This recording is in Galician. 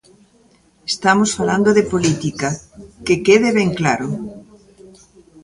Estamos falando de política, ¡que quede ben claro!